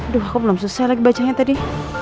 aduh aku belum selesai lagi bacanya tadi